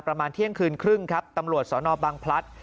ประมาณเที่ยงคืนครึ่งครับตำรวจสนบังพลัด